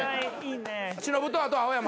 忍とあと青山。